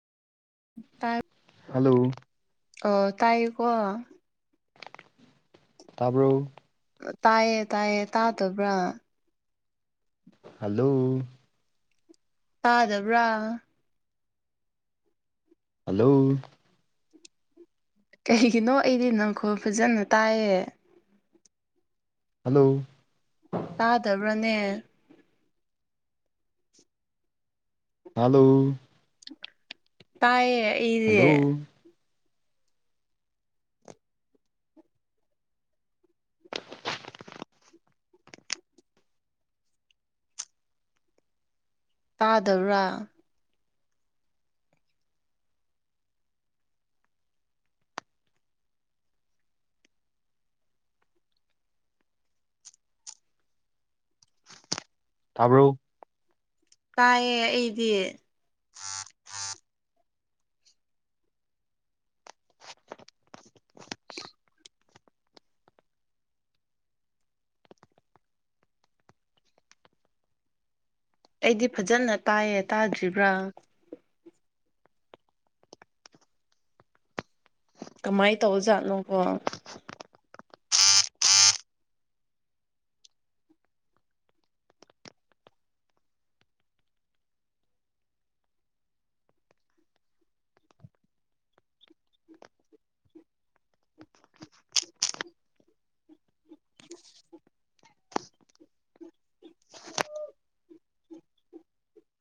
ꯇꯥꯏꯄ hello ꯑꯣ ꯇꯥꯏ ꯀꯣ ꯇꯥꯕꯔꯣ ꯇꯥꯏꯌꯦ ꯇꯥꯏꯌꯦ ꯇꯇꯥꯕ꯭ꯔꯥ? ꯍꯜꯂꯣ ꯇꯥꯗꯕꯔꯣ ꯍꯜꯂꯣ ꯀꯩꯒꯤꯅꯣ ꯑꯩꯗꯤ ꯅꯪꯈꯣꯜ ꯐꯖꯅ ꯇꯥꯏꯌꯦ꯫ ꯍꯜꯂꯣ ꯇꯇꯥꯕ꯭ꯔꯅꯦ꯫ ꯍꯜꯂꯣ ꯇꯥꯏꯌꯦ ꯑꯩꯗꯤ ꯍꯜꯂꯣ ꯇꯥꯗꯕꯔꯣ? ꯇꯥꯕꯔꯣ ꯇꯥꯏꯌꯦ ꯑꯩꯗꯤ [unintelligible] ꯑꯩꯗꯤ ꯐꯖꯅ ꯇꯥꯏꯌꯦ ꯇꯥꯗ꯭ꯔꯤꯕꯔꯥ ꯀꯃꯥꯏ ꯇꯧꯖꯥꯠꯅꯣꯀꯣ [unintelligible]